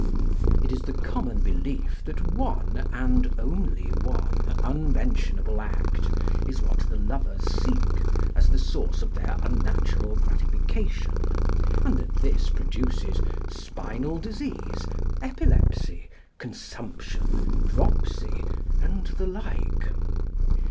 It is the common belief that one, and only one, unmentionable act is what the lovers seek as the source of their unnatural gratification, and that this produces spinal disease, epilepsy, consumption, dropsy, and the like.